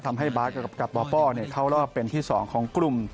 ทำให้บาสกับป้อเข้ารอบเป็นที่๒ของกลุ่ม